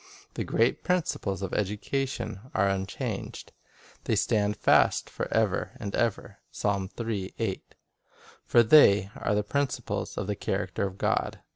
The great principles of education are unchanged. "They stand fast forever and ever;" 2 for they are the principles of the character of God.